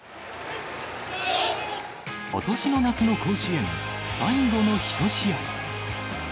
ことしの夏の甲子園、最後の１試合。